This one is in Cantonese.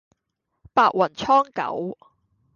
白雲蒼狗